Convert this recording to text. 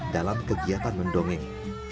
dalam kegiatan mendongeng